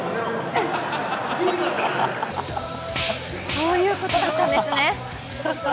そういうことだったんですね。